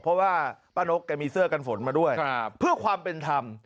เพราะว่าป้านกแกมีเสื้อกันฝนมาด้วยเพื่อความเป็นธรรม